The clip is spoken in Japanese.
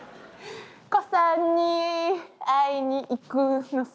「胡さんに会いに行くのさ」